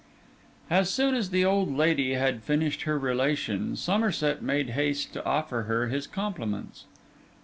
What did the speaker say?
As soon as the old lady had finished her relation, Somerset made haste to offer her his compliments.